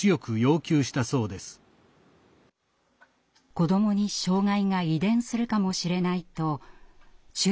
子どもに障害が遺伝するかもしれないと中絶を強いられた妻。